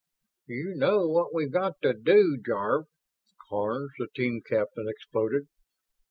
"You know what we've got to do Jarve?" Karns, the team captain, exploded.